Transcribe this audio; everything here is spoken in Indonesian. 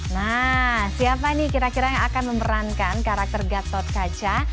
nah siapa nih kira kira yang akan memerankan karakter gatot kaca